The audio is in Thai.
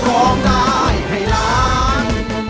ร้องได้ให้ล้าน